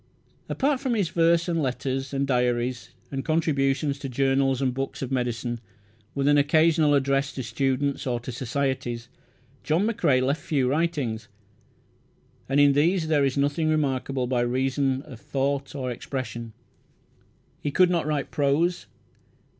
Apart from his verse, and letters, and diaries, and contributions to journals and books of medicine, with an occasional address to students or to societies, John McCrae left few writings, and in these there is nothing remarkable by reason of thought or expression. He could not write prose.